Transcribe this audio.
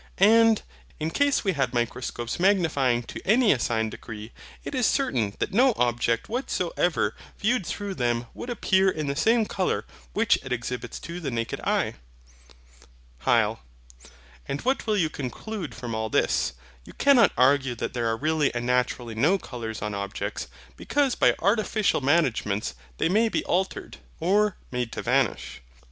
And, in case we had microscopes magnifying to any assigned degree, it is certain that no object whatsoever, viewed through them, would appear in the same colour which it exhibits to the naked eye. HYL. And what will you conclude from all this? You cannot argue that there are really and naturally no colours on objects: because by artificial managements they may be altered, or made to vanish.